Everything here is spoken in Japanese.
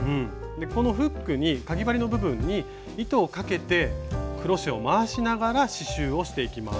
このフックにかぎ針の部分に糸をかけてクロシェを回しながら刺しゅうをしていきます。